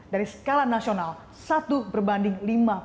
dari skala nasional satu berbanding lima puluh enam